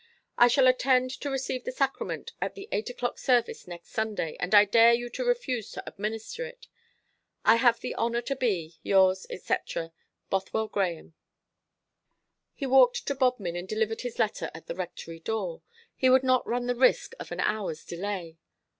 "I shall attend to receive the sacrament at the eight o'clock service next Sunday, and I dare you to refuse to administer it. I have the honour to be, yours, &c. BOTHWELL GRAHAME." He walked to Bodmin and delivered his letter at the Rectory door. He would not run the risk of an hour's delay.